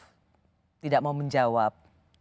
saya tidak mau menjawab